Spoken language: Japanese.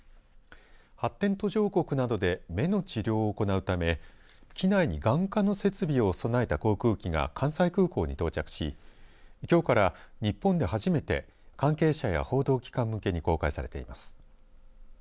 発展途上国などで目の治療を行うため機内に眼科の設備を備えた航空機が関西空港に到着しきょうから日本で初めて関係者や報道機関向けに公開されています。